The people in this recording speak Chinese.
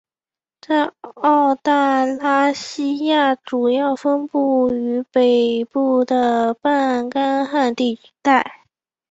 在澳大拉西亚主要分布于北部的半干旱地带。